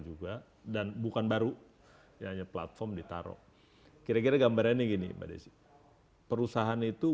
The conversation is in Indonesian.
juga dan bukan baru hanya platform ditaruh kira kira gambarnya gini pada perusahaan itu